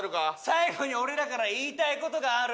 最後に俺らから言いたい事がある。